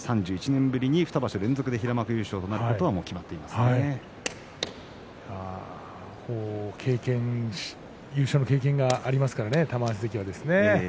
３１年ぶりに２場所連続で平幕優勝とは優勝の経験がありますからね、玉鷲関がね。